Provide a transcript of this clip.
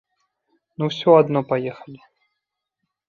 Ну ўсё адно паехалі.